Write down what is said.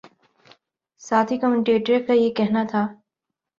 ساتھی کمنٹیٹر کا یہ کہنا تھا